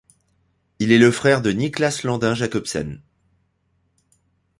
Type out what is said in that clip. Il est le frère de Niklas Landin Jacobsen.